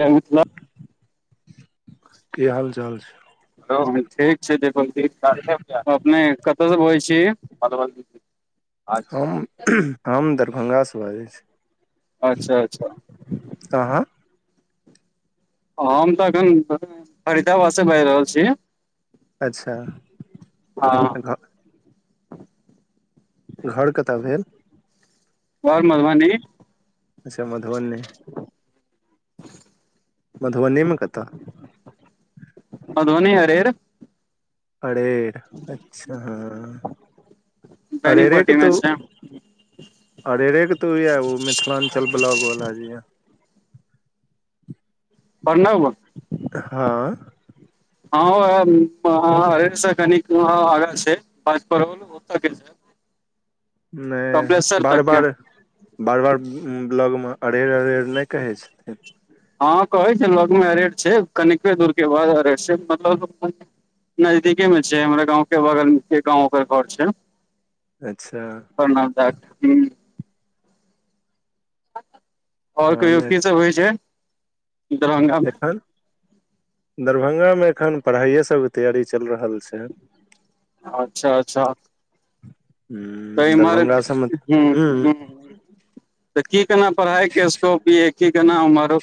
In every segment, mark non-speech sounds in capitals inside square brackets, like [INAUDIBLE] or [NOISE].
जय मिथिला। की हाल चाल छै। हो ठीक छै दीपकजी अपने कतऽसँ बजे छी मधुवनी। हम हम दरभंगासँ बाजै छी। अच्छा अच्छा कहां। हम तऽ अखन फरीदााबाद से बाजि रहल छी। अच्छा घर घर कतअ भेल। बओर महबानी अच्छा मधुबनी [UNINTELLIGIBLE] मधुबनी मे कता? मधुबनी अरेर पड़ेर अच्छा हँ अरे रेट बेनीपट्टी मे तू छै अरेरे के तो यह ओ मिथिलाञ्चल ब्लॉक वला जे यऽ। [INAUDIBLE] प्रणाम ब [UNINTELLIGIBLE] हँ हँर [UNINTELLIGIBLE] से कन आगाँ छै बच परड़ोल ओ के नहि कपिलेश्वर बार तक के बार बार बार ब्लॉगमे अरेर अरेर नहि कहै छथिन। हँ कहै छै लगमे अरे छै कनिके दूर के बाद अरेर छै मतलब अपन नजदीके में छै हमरा गाँंव के बगल के गांवकर घर छै। अच्छा प्रणाम ह [UNINTELLIGIBLE] आओर तहन कहियो की सब होइ छै? दरभंगा मे एखन [UNINTELLIGIBLE] दरभंगामे एखन पढ़ाइए सबके तैयारी चल रहल छै। अच्छा अच्छा तै मर [UNINTELLIGIBLE] दरभंगा सबमे ह ह तऽ की केना पढ़ाइ के स्कोप भी है की केना हमरो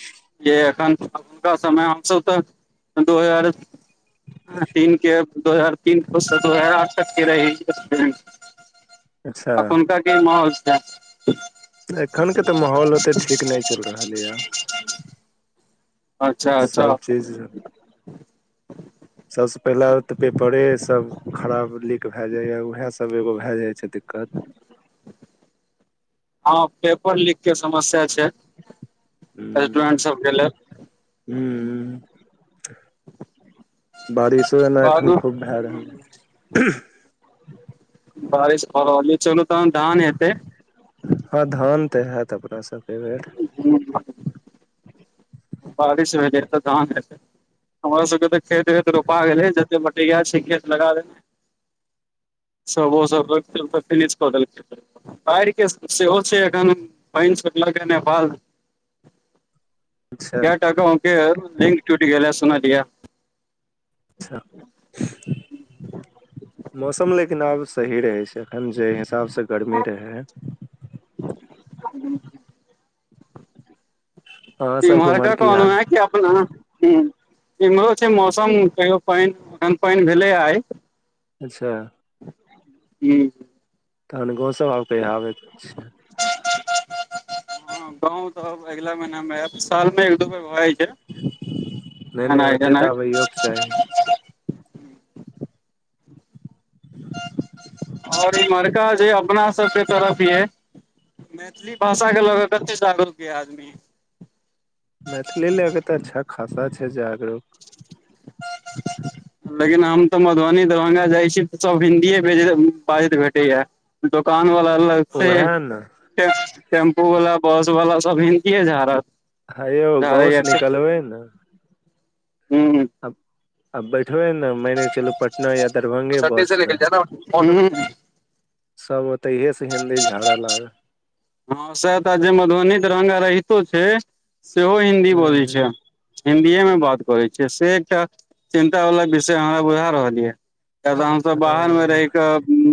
जे एखन एखुनका समय हमस तऽ दू हजार तीन के दो हजार तीन दू हजार आठ तक के रह [UNINTELLIGIBLE] अच्छा अखनका क माहौल छै। एखन के तऽ माहौल ओते ठीक नहि चलि रहल यए। अच्छा अच्छा सभसँ पहिले तऽ पेपरेसभ खराब लीक भए जाइए उएहसभ एगो भए जाइ छै दिक्कत। [UNINTELLIGIBLE] हँ पेपर लीक के समस्या छै। रेस्टोरेंट सब गेल ह। हू बारिशो एना एखन बादमे खूब भए रहलै। बारिश हो रहल चलू तह धान हेतै। हँ धान तऽ हयत अपना सब फेट [UNINTELLIGIBLE] ह बारिश भेलै तऽ धान रह हमरा सब के त खेतेत रोपा गेले जते मटेिया छै खेत लगा देने सब ओ सब र फिल [UNINTELLIGIBLE] क देलके ह बाढ़ के सेहो छै एखन पानि छोटलक नेपाल अच्छा क्य टाका उके लिंक टूटि गेलै सुना लिया। अच्छा मौसम लेकिन आब सही रहै छै अखन जे हिसाब से गर्मी रहे है। ह [UNINTELLIGIBLE] अहाँ सबके उम्हर तिम्हरके की कहनो हाल है क ह इम्हरो छै मौसम कहियो पानि आ पानि भेले आइ अच्छा ह्म [INAUDIBLE] तहन गाँव सब आब कहिया आबैके छ। हम गाॅंव तऽ अब अगिला महिना में आयब। साल मे एक दू बेर भऽ जाइ नहि छै नहि एनाइ ओते तऽ गेनाइ। आबैयोके चाही [INAUDIBLE] और इमहरका जे अपना सबके तरफ यऽ। मैथिली भाषाके लऽ कऽ कतेक जागरूक य आदमी। मैथिली लए के तऽ अच्छा खासा छै जागरूक। लेकिन हम तऽ मधुबनी, दरभंगा जाइत छी तऽ सभ हिन्दीए बाजैत भेटैएा। दुकान वाला अलग। से ओएह ने टेम्पू वाला बस वला सब हिंदिये झारत। हे यौ गाँव से निकलबै ने हूं। अब- आब बैठबै ने मने चलू पटना या दरभ्ंगे बस लऽ। ओन [INAUDIBLE] सब ओतेहे से हिंन्दी झाड़े लागत। हँ सैह तऽ, जे मधुबनी दरभंगा रहितो छै, सेहो हिन्दी बोजैत हम्म, छै। हिन्दीए में बात करै छै, से एकटा चिन्ता बला विषय हमरा बुझा रहल यऽ। किया तऽ हम-सब बाहर मे हाँ, रहिके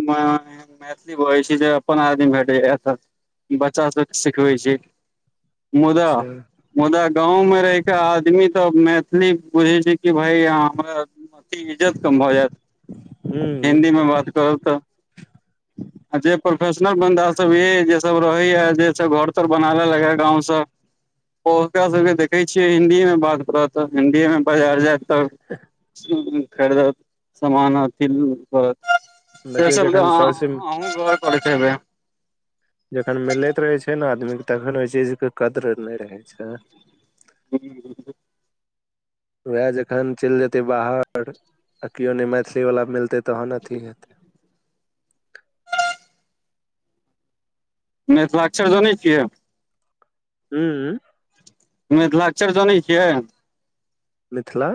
मै-मैथिली बजै छी, जे अपन आदमी भेटैया एतऽ। बच्चा सबके सिखबै छै मुदा अच्छा मुदा गाँवमें रहिकेऽ आदमी तऽ मैथिली बुझै छै कि भय हमरा अथी इज्जत कम भऽ जायत हूँ हिन्दी मे बात करू तऽ, जे प्रोफेशनल बांदा सब यै सब रहे ह जे सब घर तर बना ले लगे ह गाँंव से ओ- ओकरा सबके देखै छियै हिन्दी में बात करतऽ हिन्दी मे बाजार जायत तब खरीदत सामान अथी करत से देखियौ सब जखन तऽ सरसँ अंहू गऽर करैत हेबै। जखन मिलैत रहे छै ने आदमीे तखन ओहि चीज के कदर नहि रहे छै। जी। उएह जखन चलि जेतै बाहर, आ केओ नहि मैथिली वाला मिलतै तहन अथी हेतै। मिथिलाक्षर जानै छियै? हूंउउ। मिथिलाक्षर जनैत छियै? मिथिला?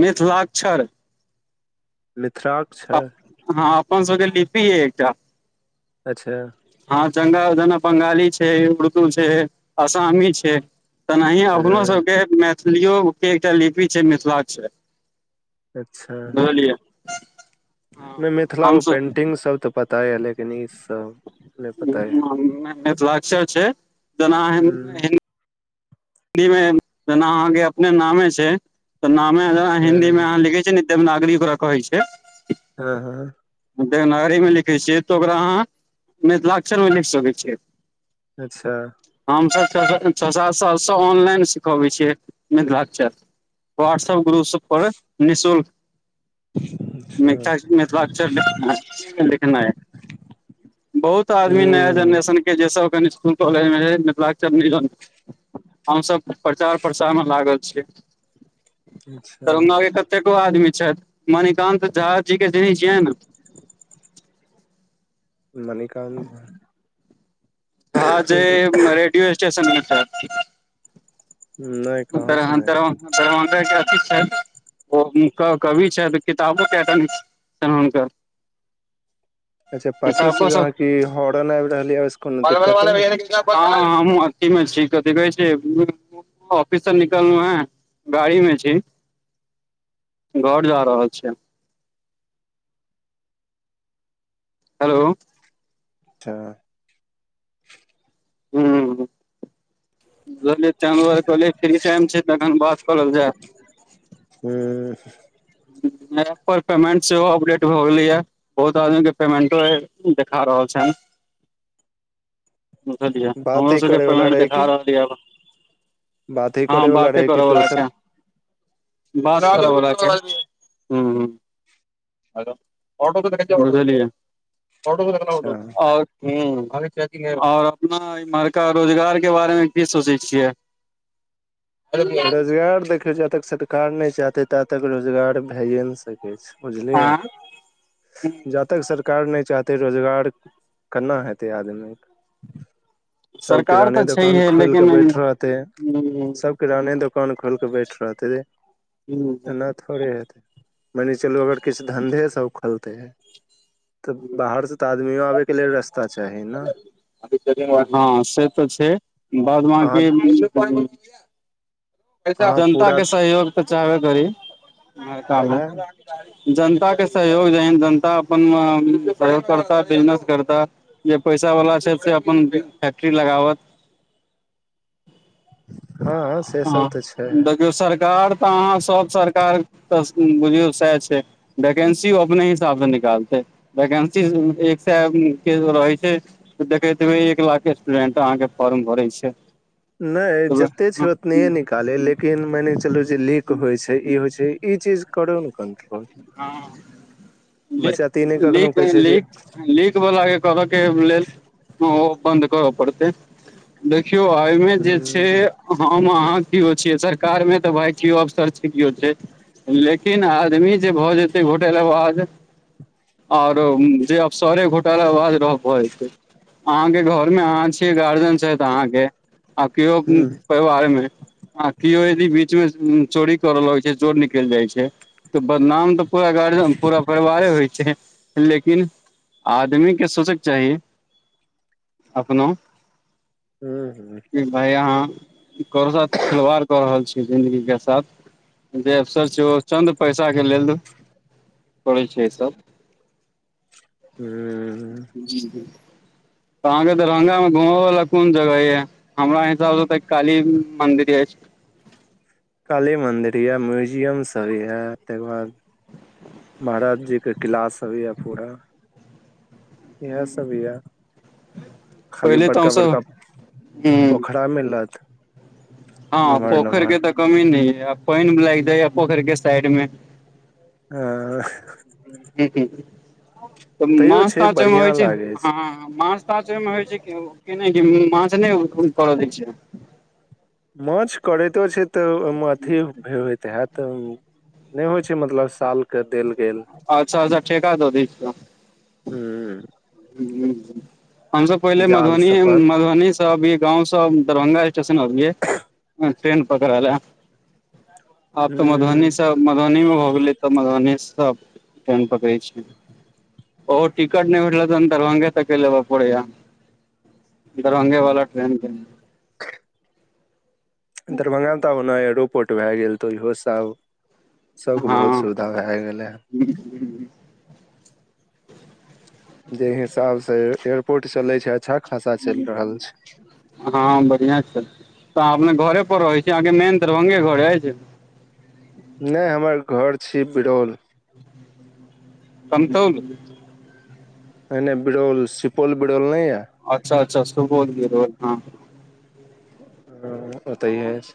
मिथिलाक्षर। मिथिलाक छै हँ अपन सब के लिपि अय एकटा। अच्छा! हँ चगा जना बंगाली छै, उर्दू छै, असामी छै। तेनाही अपनो हँ सबके मैथिलिओके एकटा लिपि छै, मिथिलाक्षर। अच्छा! बुझलियै नहि मिथिलाे हमसब पेन्टिंगसब तऽ पता यऽ लेकिन ईसभ ह मिथिलाक्षर छै जेना अंहा ह हिन्दी हिमे जेना अहाँके अपने नामे छै तऽ नामे जेना हिन्दीमे अहाँ लिखै छीय ने दे वनागरि ओकरा कहै छै। हँ हँ। देवनागरीमे लिखै छियै तऽ ओकरा अहाँ मिथिलाक्षरमे लिख सकैत छियै। अच्छा। हमसभ छ छ सात सालसँ ऑनलाइन सिखबै छियै मिथिलाक्षर। व्हाट्सएप ग्रुप सब पर निःशुल्क अच्छा मिथिला मिथिलाक्षर लि लिखना है। बहुत आदमी नया ह जेनरेशनके जेसब स्कुल कॉलेजमे रह मिथिलाक्चल हम सब प्रचार प्रसार मे लागल छीय अच्छा दरभंगा के कतेको आदमी छथि मणिकान्त झा जी के ज छियै न। मणिकान्त झा। ह जे रेडियो स्टेशनमे मिथिला नहि के कहाँ चिन्है छै दरभगा के अथी छै। ओ हुनकर कवि छथि तऽ किताबो कट छनि हुनकर अच्छा पाछू से किताबो जहा क हरन आबि रहल या। हं हमँ अथी मे छी कथी कहे छै ऑफिस से निकललहु हैं गाड़ी में छी। घर जा रहल छियै। हेलो। अच्छा। [INAUDIBLE] ब चद कहलिय फ्री इम छै तखन बात करल जाय। हूं। एप पर पेमेंट सेहो अपडेट भए गेले या। बहुत आदमी के पेमेंटो देखा रहल छन। [INAUDIBLE] बुझलियै हमरो बाते सबके करे वाला पेमेंट रहे देखा कि रहल यै। बाते हँ करे वाला बाते रहे कि कर वला दोसर छै बारह अच्छा कर वला छै। हूं। अ ऑटो क त क ऑटो क ह अच्छा आओर अपना इमहरका रोजगार के बारे मे की सोचै छियै। [INAUDIBLE] रोजगार देखियौ जा तक सरकार नहि चाहते ता तक रोजगार भैए नहि सकैत छै। बुझलिए आँ जा तक सरकार। कार नहि चाहते रोजगार केना हेतै आदमी। सभ सरकार किराने दोकान खोलि कऽ बैठ रहतेै। हूं। किराने दोकान खोलकेे बैठ रहतै एना। थोड़े हेतै मने चलू अगर किछु धंधे सब खोलते। तऽ बाहरसँ तऽ आदमियो आबयके लेल रस्ता चाही न। हाॅं से तऽ छै, बाद अहाँ बाकी। अहाँ पूरा जनताके सहयोग तऽ चाहबे करी इम्हरका मे। ओहे जनता के सहयोग जेहन जनता अपन सहयोग करता, बिजनेस करता। जे पैसा वला छैथ, से अपन फैक्ट्री लगावत। हाॅं स हाॅं देखियौ सरकार तऽ अहाँ सब सरकार तऽ उम्म बुझियौ सैह छै। वैकेंसी ओ अपने हिसाबसे निकालतै, वैकेंसी एक से के रहै छै। त देखैत हेबै, एक लाख स्टूडेंट अहाँके फॉर्म भरै छै। नै जते छै ओतनईये निकाले लेकिन माएन के चलू जे लीक होय छै, ई होय छै। ई चीज करौ नै कन्ट्रो हाॅं ले बच्चा तऽ ई नहि कखनो कहै छै जे लीक-लीक लीक बला के करऽ के लेल ओ बन्द करा पड़तै। देखियो एमे जे छै हम अहाँ कियो छियै, सरकार मे तऽ भाय कियो अफसर छै, कियो छै। लेकिन आदमी जे भऽ जेतै घोटेला बाज आरो उम्म जे अफसरे घोटाला बाज रहा पड़े छै। अहाँ के घर मे अहाँ छिये, गार्जन छै छैथ अहाॅं के अ कियो ह उम्म परिवार में अहां कियो यदि बीच में चोरी करऽ लागै छै, चोर निकल जाय छै तऽ बदनाम तऽ पूरा गार्जन पूरा परिवारे होय छै। लेकिन आदमी के सोचै के चाही अपनो हूॅं-हूॅं। की भाय अहाँ ककरो साथ खेलवाड़ क रहल छिये जिन्दगी के साथ। जे अफसर छिये ओ चन्द पैसा के लेल करै छै ई सब। हूॅं। जी बिल्कुल अहाँके दरभंगा मे घूमय वला कोन जगह यै? हमरा हिसाब से तऽ काली मन्दिर ऐछ। काली मंदिर यै, म्यूज़ियम सब यै तै के बाद महाराज जी के किला सब यै पूरा। इहै सब यै। खाली पहिले तऽ हमसब बड़का-बड़का हूं पोखरा मिलत। हाॅं नमहर पोखर नमहर के तऽ कमी नै यै अ पैन लाएग जाइ यै पोखर के साइड मे। हाॅं। हुं-हुं तऽ तैयो छै माछ-ताछ ओय मे होय बढ़िया छै, लागे हाॅं माछ ताछ ओय में होय छै की उ की नै उम्म माछ नै उम्म करा दै छै। माछ करैतो छै तऽ ओय मे अथी भे-भे तहे तै उ नै होय छै मतलब साल के देल गेल अच्छा-अच्छा ठेका दऽ दै छिये। हूॅं। हूॅं-हूॅं हम सब पहिले जाल से मधुबनीये में अपन मधुबनी से तब ई गाँंव से दरभंगा स्टेशन आबियै अ ट्रेन पकड़ै लै। त आब तऽ मधुबनी से मधुबनी मे भऽ गेलै तऽ मधुबनी स ट्रेन पकड़ै छियै। और टिकट नै [UNINTELLIGIBLE] ईहो में दरभंगे तक के लेबा परै यै, दरभंगे वला ट्रेन के। दरभंगा मे त आब ओना एयरोपोर्ट भै गेल त ओहयौ से आब सबके बहुत हँ सुव धा भै गेलै हें। जे हिसाब से एयरपोर्ट चले छै, अच्छा खासा चलि रहल छै। हाँ बढ़िया छै त अपने घरे पर रहै छी अहाँ के मेन दरभंगे घर अछि नै हमर घर छी बिरौल कमतौल नै नै बिड़ौल सिपौल बिड़ौल नै या अच्छा अच्छा सिपौल बिरौल ह हम्म ओतई अइछ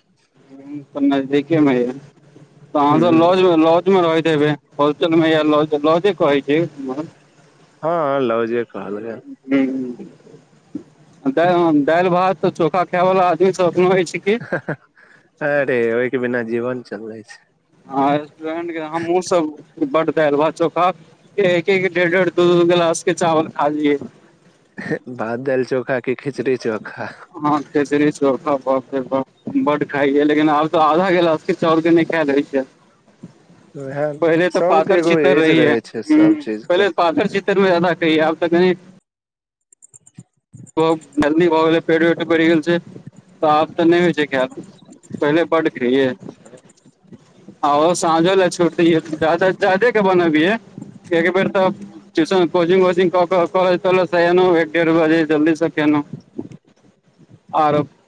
हम्म त नजदीके मे अइछ हूँ तहन त लॉजमे लॉज रहैत हेबै होलशेलमे या लौज या लौजे कहै छै ह ह लौजे कहल गैल [UNINTELLIGIBLE] दाइल भात त चोखा खेय बला आदमी सब अखनो अइछ हहह अरे ओइके बिना जीवन चलबै छै आहा रेस्टोरेंट के हमहु सब बड दाइल भात चोखा एक एक डेड़ डेड़ दू गिलास के चावल खा लियै हे भात दाइल चोखा कि खिचड़ी चोखा हाँ खिचड़ी चोखा बाब रे बाप बड खाइयै लेकिन आब त आधा गिलास किछु औरजे नै खाए होये छे उहाई न सबके पातर एगो छितर ऐज रहियै रहै छै हूँ सब चीज पहिले के [UNINTELLIGIBLE] ब गर्मी भ गेल पेट अते बैड गेल छै त आब त नै हो छै खैल पहिले बड खैये [UNINTELLIGIBLE] आओ साँझो लए छोटि दैहे जादा जादे के बनभीए एक बेर त टूशन कोचिंग वचिंग क क कॉलेज तॉलेज एलो एक डेढ़ बजे जल्दी स से केनो आरभ